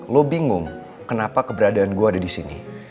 lo bingung kenapa keberadaan gue ada disini